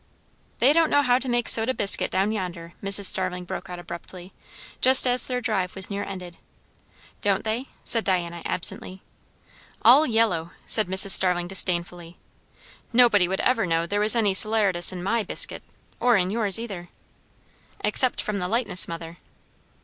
"They don't know how to make soda biscuit down yonder," Mrs. Starling broke out abruptly, just as their drive was near ended. "Don't they?" said Diana absently. "All yellow!" said Mrs. Starling disdainfully. "Nobody would ever know there was any salaratus in my biscuit or in yours either." "Except from the lightness, mother."